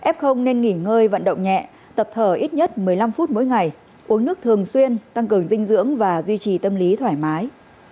f nên nghỉ ngơi vận động nhẹ tập thở ít nhất một mươi năm phút mỗi ngày uống nước thường xuyên tăng cường dinh dưỡng và duy trì tâm lý thoải mái